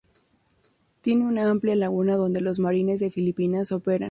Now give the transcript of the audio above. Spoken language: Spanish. Tiene una amplia laguna donde los Marines de Filipinas operan.